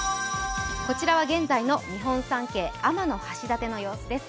こちらは現在の日本三景、天橋立の様子です。